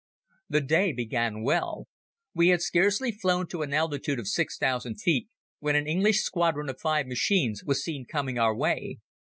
The day began well. We had scarcely flown to an altitude of six thousand feet when an English squadron of five machines was seen coming our way.